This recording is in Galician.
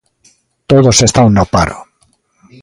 Todos están no paro.